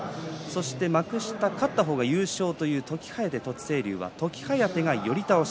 幕下、勝った方が優勝という時疾風と栃清龍は時疾風が寄り倒し。